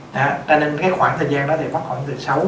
cho nên cái khoảng thời gian đó thì có khoảng từ sáu